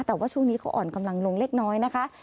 แต่ว่าช่วงนี้เขาอ่อนกำลังลงเล็กน้อยนะคะ